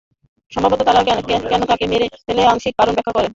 সম্ভবত তারা কেন তাকে মেরে ফেলে তার আংশিক কারণ ব্যাখ্যা করেছে।